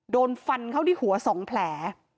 โดนฟันเข้าที่หัว๒แผล